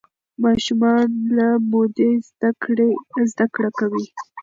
ماشومان له مودې زده کړه کوي.